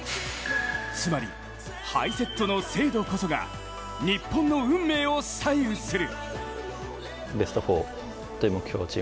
つまり、ハイセットの精度こそが日本の運命を左右する。